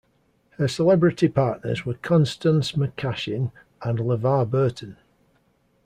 Her celebrity partners were Constance McCashin and LeVar Burton.